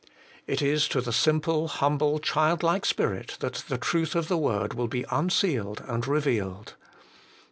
It is to the simple, humble, childlike spirit that the truth of the word will be unsealed and revealed.